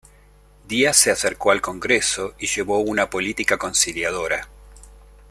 Díaz se acercó al Congreso y llevó una política conciliadora.